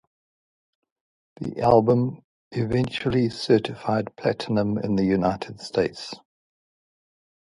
The album eventually certified platinum in the United States.